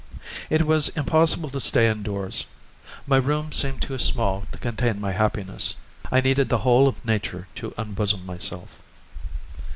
It was impossible to stay indoors. My room seemed too small to contain my happiness. I needed the whole of nature to unbosom myself.